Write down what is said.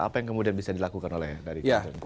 apa yang kemudian bisa dilakukan oleh dari